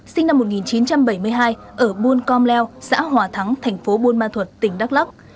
sinh năm một nghìn chín trăm bảy mươi hai ở buôn com leo xã hòa thắng thành phố buôn ma thuật tỉnh đắk lắc